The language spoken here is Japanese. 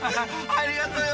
ありがとうよ！